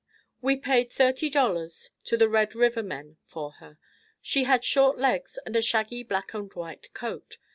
We paid thirty dollars to the Red River men for her. She had short legs and a shaggy black and white coat.